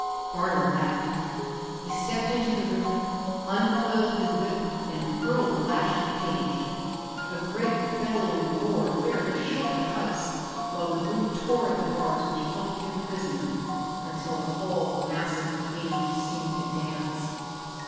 Barter laughed. He stepped into the room, uncoiled his whip and hurled the lash at the cage. A great bellowing roar fairly shook the house, while the brute tore at the bars which held him prisoner until the whole massive cage seemed to dance.